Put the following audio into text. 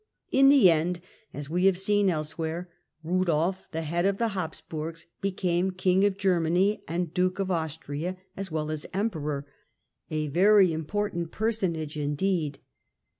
In the end, as we have seen elsewhere, Ru Rudolf of dolf, the head of the Habsburgs, became King of Ger ^^■^^"'^^' many and Duke of Austria as well as Emperor, a very important personage indeed.